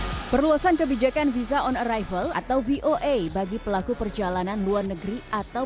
hai perluasan kebijakan visa on arrival atau voa bagi pelaku perjalanan luar negeri atau